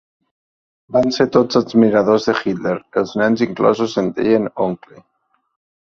Van ser tots admiradors de Hitler, els nens inclosos en deien oncle.